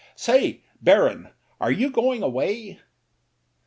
"Say, Baron, are you going away